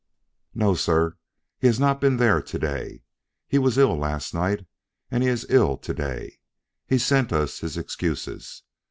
"No, sir; he has not been there to day. He was ill last night, and he is ill to day. He sent us his excuses.